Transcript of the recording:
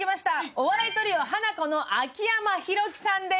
お笑いトリオ、ハナコの秋山寛貴さんです。